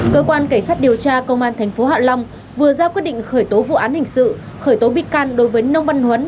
cơ quan cảnh sát điều tra công an tp hạ long vừa ra quyết định khởi tố vụ án hình sự khởi tố bị can đối với nông văn huấn